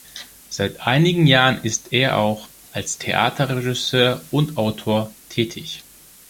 Seit einigen Jahren ist er auch als Theaterregisseur und -autor tätig.